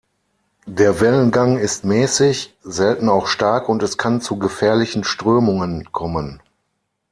Der Wellengang ist mäßig, selten auch stark und es kann zu gefährlichen Strömungen kommen.